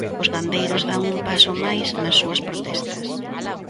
Os gandeiros dan un paso máis nas súas protestas.